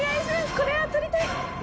これは取りたい！